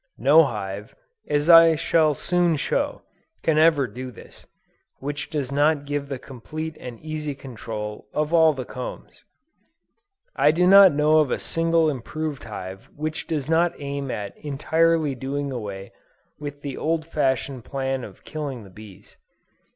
No hive, as I shall soon show, can ever do this, which does not give the complete and easy control of all the combs. I do not know of a single improved hive which does not aim at entirely doing away with the old fashioned plan of killing the bees.